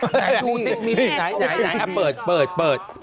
ไหนไหนเปิด